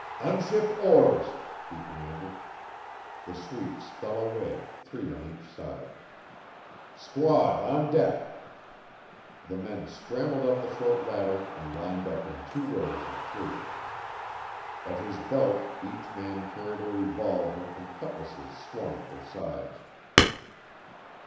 "Unship oars!" he commanded. The sweeps fell away, three on each side. "Squad on deck!" The men scrambled up the short ladder and lined up in two rows of three. At his belt each man carried a revolver and cutlasses swung at their sides.